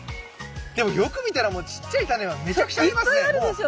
でもよく見たらちっちゃいタネはめちゃくちゃありますね！